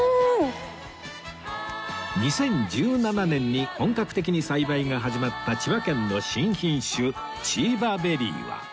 ２０１７年に本格的に栽培が始まった千葉県の新品種チーバベリーは